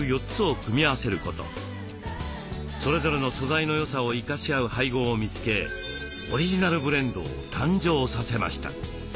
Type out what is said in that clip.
それぞれの素材のよさを生かし合う配合を見つけオリジナルブレンドを誕生させました。